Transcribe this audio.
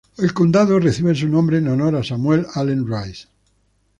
El condado recibe su nombre en honor a Samuel Allen Rice.